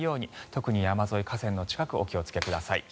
特に山沿い、河川の近くお気をつけください。